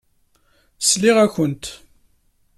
Sliɣ-akent.